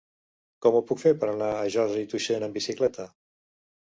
Com ho puc fer per anar a Josa i Tuixén amb bicicleta?